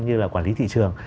như là quản lý thị trường